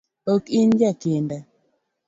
Ok in jakinda